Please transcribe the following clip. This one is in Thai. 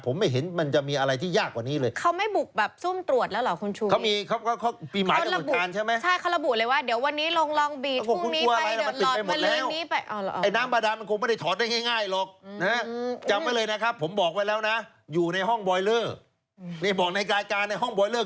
ผมไม่เห็นมันจะมีอะไรที่ยากกว่านี้เลย